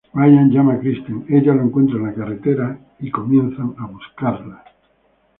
Ryan llama a Kristen, ella lo encuentra en la carretera y comienzan a buscarla.